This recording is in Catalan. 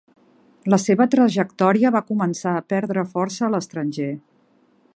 La seva trajectòria va començar a prendre força a l'estranger.